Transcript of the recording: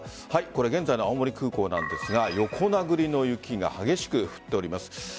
現在の青森空港なんですが横殴りの雪が激しく降っております。